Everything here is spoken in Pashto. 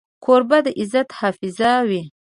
کوربه د عزت حافظ وي.